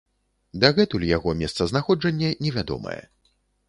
Дагэтуль яго месцазнаходжанне невядомае.